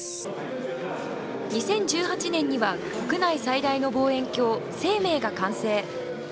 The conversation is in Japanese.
２０１８年には国内最大の望遠鏡「せいめい」が完成。